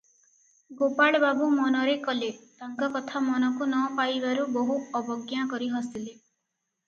ଗୋପାଳବାବୁ ମନରେ କଲେ, ତାଙ୍କ କଥା ମନକୁ ନ ପାଇବାରୁ ବୋହୂ ଅବଜ୍ଞା କରି ହସିଲେ ।